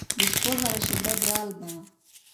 د شپو هره شیبه برالبه